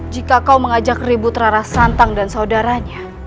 jika kau mengajak ribut rara santang dan saudaranya